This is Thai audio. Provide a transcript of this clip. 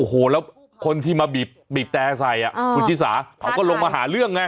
โอ้โหแล้วคนที่มาบีบแต่ใส่คุณชิสาเขาก็ลงมาหาเรื่องไง